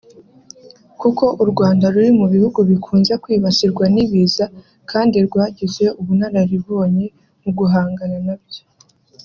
kuko u Rwanda ruri mu bihugu bikunze kwibasirwa n’ibiza kandi rwagize ubunararibonye mu guhangana nabyo